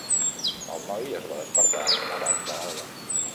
El noi es va despertar abans de l'alba.